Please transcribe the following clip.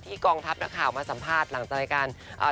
กองทัพนักข่าวมาสัมภาษณ์หลังจากรายการ